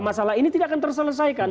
masalah ini tidak akan terselesaikan